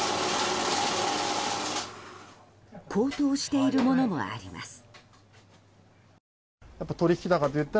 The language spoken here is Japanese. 高騰しているものもあります。